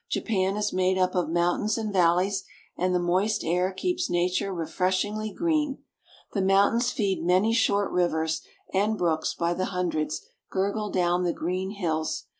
Japan is made up of mountains and valleys, and the moist air keeps nature re freshingly green. The mountains feed many short rivers, and brooks by the hundreds gurgle down the green hills.